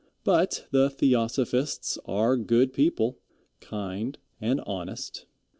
But the Theosophists are good people; kind and honest.